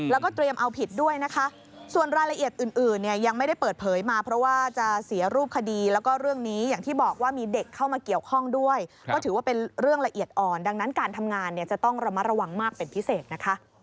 แล้วก็เตรียมเอาผิดด้วยนะคะส่วนรายละเอียดอื่นเนี่ยยังไม่ได้เปิดเผยมาเพราะว่าจะเสียรูปคดีแล้วก็เรื่องนี้อย่างที่บอกว่ามีเด็กเข้ามาเกี่ยวข้องด้วยก็ถือว่าเป็นเรื่องละเอียดอ่อนดังนั้นการทำงานเนี่ยจะต้องระมัดระวังมากเป็นพิเศษนะคะ